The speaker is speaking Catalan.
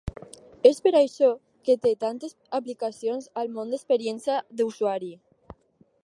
És per això que té tantes aplicacions al món d'experiència d'usuari.